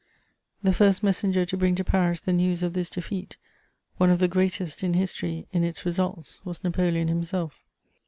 The first messenger to bring to Paris the news of this defeat, one of the greatest in history in its results, was Napoleon himself.